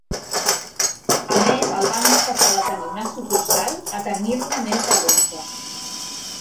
A més, el banc va passar de tenir una sucursal a tenir-ne més de dotze.